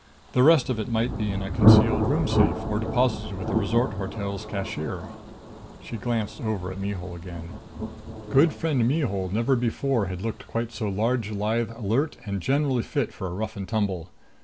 The rest of it might be in a concealed room safe or deposited with the resort hotel's cashier. She glanced over at Mihul again. Good friend Mihul never before had looked quite so large, lithe, alert and generally fit for a rough and tumble.